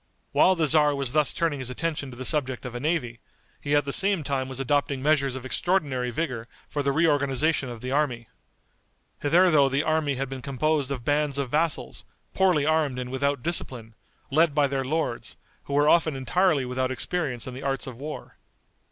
While the tzar was thus turning his attention to the subject of a navy, he at the same time was adopting measures of extraordinary vigor for the reorganization of the army. Hitherto the army had been composed of bands of vassals, poorly armed and without discipline, led by their lords, who were often entirely without experience in the arts of war.